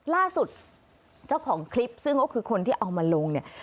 ล่าสุดเจ้าของคลิปซึ่งก็คือคนที่เอามาลงเนี่ย